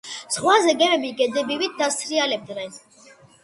ზღვაზე გემები გედებივით დასრიალებდნენ.